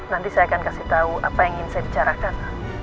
nanti saya akan kasih tahu apa yang ingin saya bicarakan